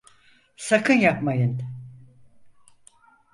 Sakın yapmayın!